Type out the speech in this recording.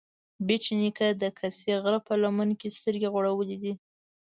بېټ نيکه د کسې د غره په لمن کې سترګې غړولې دي